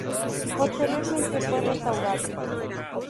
Posteriormente, fue restaurado.